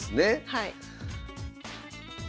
はい。